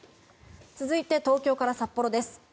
続いて東京から札幌です。